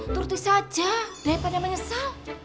turuti saja deh tanya menyesal